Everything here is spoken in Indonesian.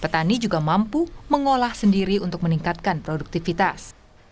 petani juga mampu mengolah sendiri untuk meningkatkan produktivitas